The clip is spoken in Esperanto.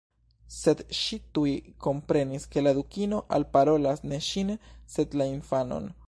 Sed ŝi tuj komprenis ke la Dukino alparolas ne ŝin sed la infanon.